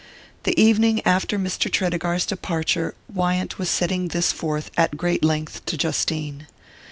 The evening after Mr. Tredegar's departure Wyant was setting this forth at great length to Justine.